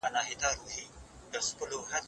کتاب په یوه لوی کتابتون کې کېښودل شو.